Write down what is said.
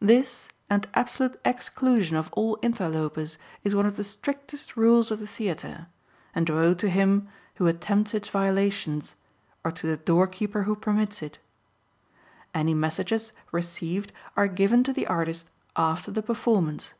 This and absolute exclusion of all interlopers is one of the strictest rules of the theatre, and woe to him who attempts its violations, or to the doorkeeper who permits it. Any messages received are given to the artist after the performance.